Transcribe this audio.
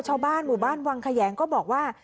ชาวบ้านหมู่บ้านวังแขยงก็บอกว่า